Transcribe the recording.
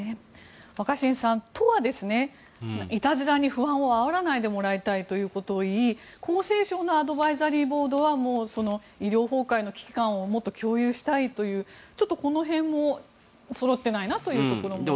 若新さん、都はいたずらに不安をあおらないでもらいたいということを言い厚労省のアドバイザリーボードは医療崩壊の危機感をもっと共有したいというちょっとこの辺もそろってないなというところがあります。